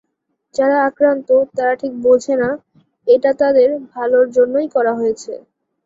যারা আক্রান্ত, তারা ঠিক বোঝে না, এটা তাদের ভালোর জন্যই করা হয়েছে।